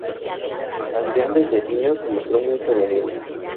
Adrián desde niño se mostró muy femenino.